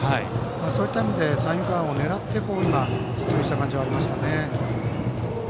そういった意味で三遊間を狙ってヒッティングした感じでした。